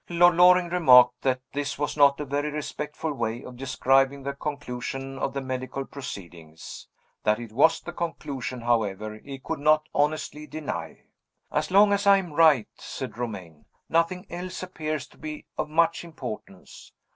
Lord Loring remarked that this was not a very respectful way of describing the conclusion of the medical proceedings. That it was the conclusion, however, he could not honestly deny. "As long as I am right," said Romayne, "nothing else appears to be of much importance.